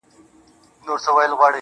زه دې د سترگو په سکروټو باندې وسوځلم_